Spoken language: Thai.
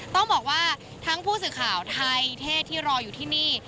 ต้องบอกว่าทั้งผู้สื่อข่าวไทยเทศที่รออยู่ที่นี่